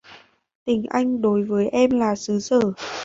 Tình anh đối với em là xứ sở